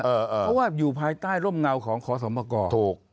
เพราะว่าอยู่ภายใต้ร่มเงาของขอสมกรถูก